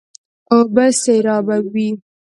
اوبه سېرابوي.